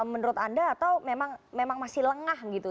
menurut anda atau memang masih lengah gitu